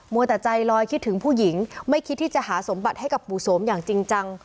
แต่ใจลอยคิดถึงผู้หญิงไม่คิดที่จะหาสมบัติให้กับปู่โสมอย่างจริงจัง